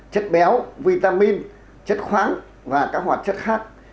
chất béo vitamin chất khoáng và các hoạt chất khác